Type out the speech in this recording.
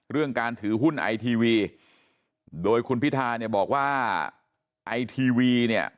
เรื่องการถือหุ้นไอทีวีโดยคุณพิธาเนี่ยบอกว่าไอทีวีเนี่ย